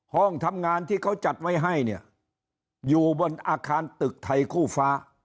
ห้องทำงานที่เขาจัดไว้ให้เนี่ยอยู่บนอาคารตึกไทยคู่ฟ้า